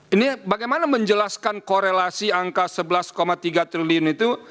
ini bagaimana menjelaskan korelasi angka sebelas tiga triliun itu